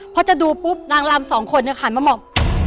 พอจะดูปุ๊บนางลำสองคนเนี่ยหันมาบอก